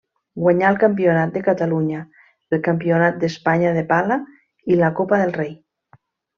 Guanyà el Campionat de Catalunya, el Campionat d'Espanya de pala i la Copa del Rei.